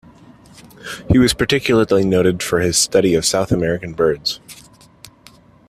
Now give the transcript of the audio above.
He was particularly noted for his study of South American birds.